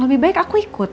lebih baik aku ikut